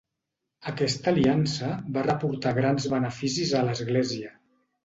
Aquesta aliança va reportar grans beneficis a l'Església.